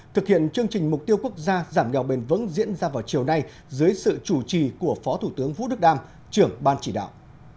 thực hiện chương trình mục tiêu quốc gia giảm nghèo bền vững diễn ra vào chiều nay dưới sự chủ trì của phó thủ tướng vũ đức đam trưởng ban chỉ đạo